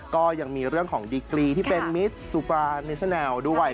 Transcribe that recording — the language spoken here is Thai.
ก็ยังมีเรื่องของดีกรีที่เป็นมิตรซูฟราเนสแลลด้วย